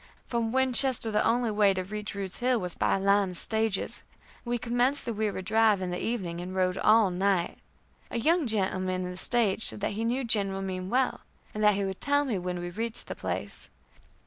From Winchester the only way to reach Rude's Hill was by a line of stages. We commenced the weary drive in the evening, and rode all night. A young gentleman in the stage said that he knew General Meem well, and that he would tell me when we reached the place.